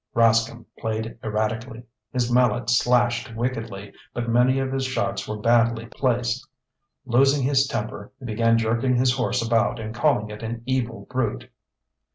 Rascomb played erratically. His mallet slashed wickedly but many of his shots were badly placed. Losing his temper, he began jerking his horse about and calling it an "evil brute."